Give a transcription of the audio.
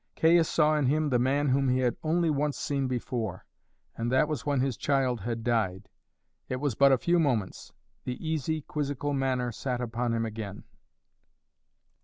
Caius saw in him the man whom he had only once seen before, and that was when his child had died. It was but a few moments; the easy quizzical manner sat upon him again.